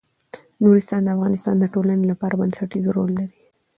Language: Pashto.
نورستان د افغانستان د ټولنې لپاره بنسټيز رول لري.